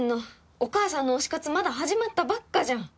お母さんの推し活まだ始まったばっかじゃん！